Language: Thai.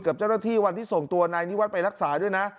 กับเจ้าหน้าที่วันที่ส่งตัวนายนิวัตรไปรักษาด้วยนะ